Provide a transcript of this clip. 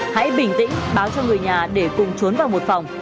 hãy bình tĩnh báo cho người nhà để cùng trốn vào một phòng